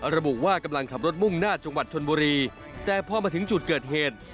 ระบุว่ากำลังขับรถมุ่งหน้าจังหวัดชนบุรีแต่พอมาถึงจุดเกิดเหตุ